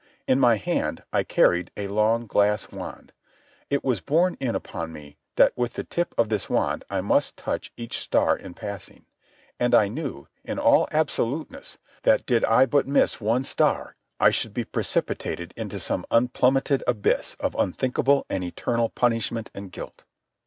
In my hand I carried a long glass wand. It was borne in upon me that with the tip of this wand I must touch each star in passing. And I knew, in all absoluteness, that did I but miss one star I should be precipitated into some unplummeted abyss of unthinkable and eternal punishment and guilt.